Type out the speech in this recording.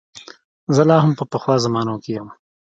زه لا هم په پخوا زمانو کې یم.